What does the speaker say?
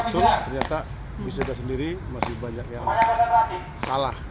terus ternyata wisata sendiri masih banyak yang salah